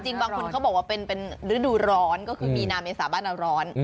บางคนเขาบอกว่าเป็นฤดูร้อนก็คือมีนาเมษาบ้านนาร้อน